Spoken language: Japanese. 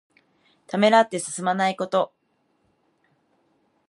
ためらって進まないこと。